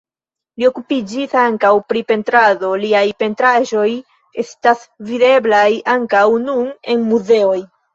Li okupiĝis ankaŭ pri pentrado, liaj pentraĵoj estas videblaj ankaŭ nun en muzeoj.